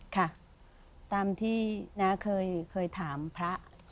ค่ะตามที่น้าเคยถามพระ